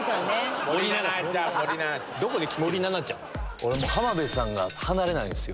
俺浜辺さんが離れないんですよ。